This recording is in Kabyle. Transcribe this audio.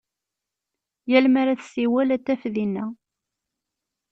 Yal mi ara tessiwel a t-taf dinna.